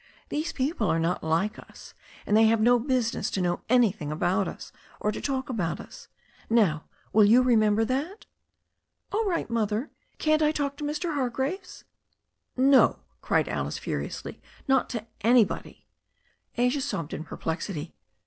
These people are not like us, and they have no business to know anything about us, or to talk about us. Now will you re member that?" "All right, Mother. Can't I talk to Mr. Hargraves?" 136 THE STORY OF A NEW ZEALAND RIVER "No," cried Alice furiously, "not to anybody." Asia sobbed in perplexity.